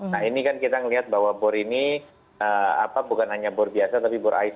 nah ini kan kita melihat bahwa bor ini bukan hanya bor biasa tapi bor ip